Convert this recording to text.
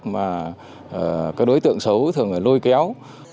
mà các đối tượng xấu thường lôi kéo